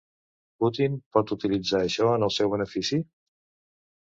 Putin pot utilitzar això en el seu benefici?